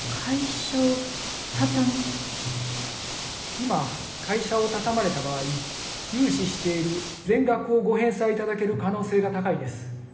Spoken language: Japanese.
今会社を畳まれた場合融資している全額をご返済いただける可能性が高いです。